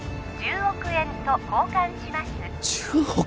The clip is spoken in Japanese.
１０億円と交換します１０億！？